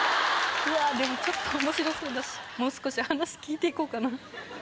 でもちょっと面白そうだしもう少し話聞いて行こうかな。